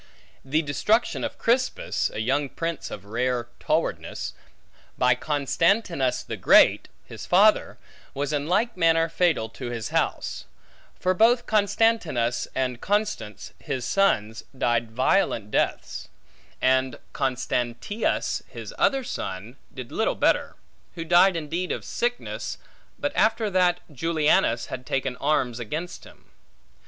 The destruction of Crispus, a young prince of rare towardness, by Constantinus the Great, his father, was in like manner fatal to his house; for both Constantinus and Constance, his sons, died violent deaths; and Constantius, his other son, did little better; who died indeed of sickness, but after that Julianus had taken arms against him.